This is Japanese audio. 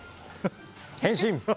変身！